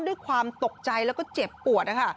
ด้วยความตกใจแล้วก็เจ็บปวดนะคะ